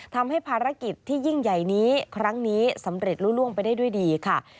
ทำให้ภารกิจที่ยิ่งใหญ่นี้ครั้งนี้สำเร็จล่วงไปได้ด้วยดีค่ะ